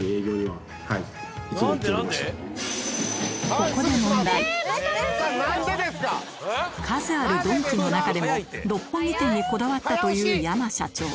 ここで数あるドンキの中でも六本木店にこだわったという山社長